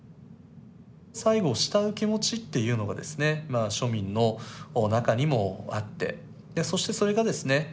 西郷を慕う気持ちっていうのがですねまあ庶民の中にもあってでそしてそれがですね